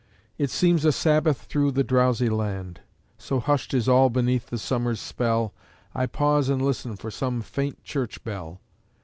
It seems a Sabbath thro' the drowsy land: So hush'd is all beneath the Summer's spell, I pause and listen for some faint church bell.